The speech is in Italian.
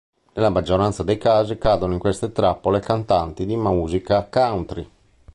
Nella maggioranza dei casi cadono in queste trappole cantanti di musica country.